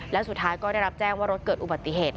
และสุดท้ายก็ได้รับแจ้งว่ารถเกิดอุบัติเหตุ